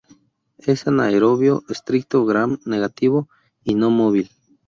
Es anaerobio estricto, gram-negativo, y no móvil.